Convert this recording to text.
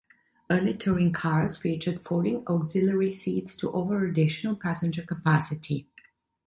Early touring cars featured folding auxiliary seats to offer additional passenger capacity.